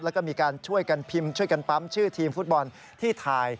แล้วก็มีการช่วยกันพิมพ์ช่วยกันปั๊มชื่อทีมฟุตบอลที่ถ่าย